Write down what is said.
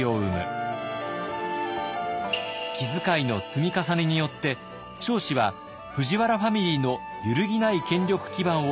気遣いの積み重ねによって彰子は藤原ファミリーの揺るぎない権力基盤を作っていったのです。